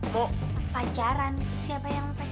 mau pacaran siapa yang pacaran